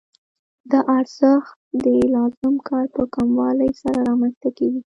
دا ارزښت د لازم کار په کموالي سره رامنځته کېږي